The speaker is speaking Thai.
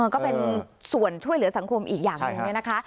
ก็เป็นส่วนช่วยเหลือสังคมอีกอย่างหนึ่ง